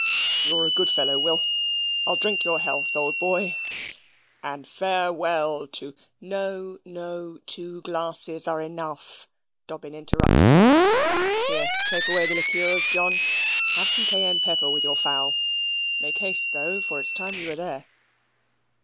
"You're a good old fellow, Will. I'll drink your health, old boy, and farewell to " "No, no; two glasses are enough," Dobbin interrupted him. "Here, take away the liqueurs, John. Have some cayenne pepper with your fowl. Make haste though, for it is time we were there."